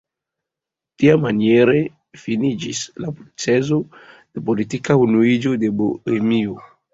Tiamaniere finiĝis la proceso de politika unuiĝo de Bohemio.